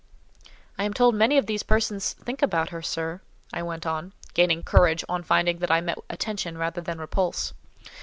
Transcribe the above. "I am told many of these persons think about her, sir," I went on, gaining courage on finding that I met attention rather than repulse.